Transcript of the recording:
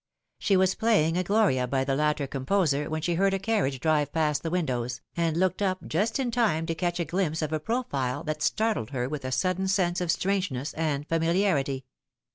She was playing a Gloria by the latter composer when she heard a carriage drive past the windows, and looked up just in time to catch a glimpse of a profile that startled her with a sudden sense of strangeness and familiarity.